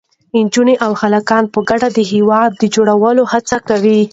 نجونې او هلکان په ګډه د هېواد د جوړولو هڅه کوي.